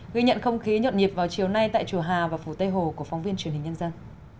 ghi nhận không khí nhộn nhịp vào chiều nay tại chùa hà và phủ tây hồ của phóng viên truyền hình nhân dân